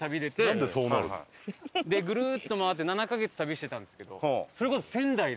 なんでそうなるの？でぐるっと回って７カ月旅してたんですけどそれこそ仙台で。